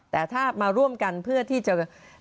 แต่ถ้ามาร่วมกันเพื่อที่จะ